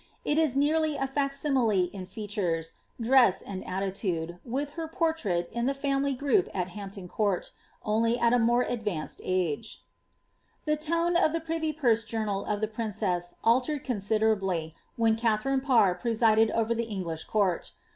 It ia nearly a fuc simile in features, dress, and altitude, with her portrait in the family group at Hamptou Court, only at a mure advanced The tone of the privy purse journal of the prineess altered consider abiy, when Katharine Parr preiiided over the English court.